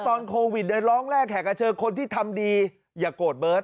ตอนโควิดเดินร้องแรกแขกกระเชอคนที่ทำดีอย่าโกรธเบิร์ต